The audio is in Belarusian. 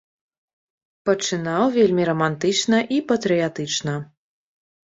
Пачынаў вельмі рамантычна і патрыятычна.